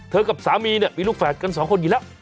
กับสามีเนี่ยมีลูกแฝดกันสองคนอยู่แล้ว